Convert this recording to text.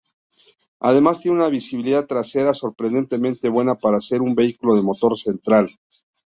Además tiene una visibilidad trasera sorprendentemente buena para ser un vehículo de motor central.